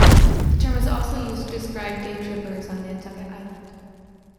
The term is also used to describe "day-trippers" on Nantucket Island.